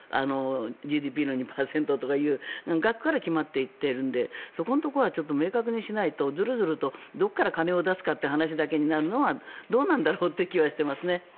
ＧＤＰの２％とかという額から決まっていっているのでそこのところは明確にしないとずるずるとどこから金を出すかという話だけになるのはどうなんだろうという気はしています。